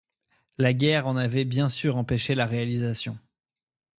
La guerre en avait bien sûr empêché la réalisation.